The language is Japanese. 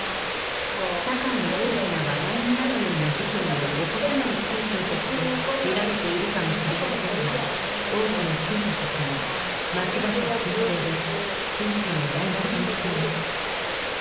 社会の大きな話題になるような事件を起こさない宗教として見られているかもしれませんが、多くの信徒たちが、間違った信仰で人生を台なしにしています。